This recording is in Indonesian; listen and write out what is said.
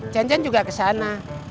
cancan juga kesana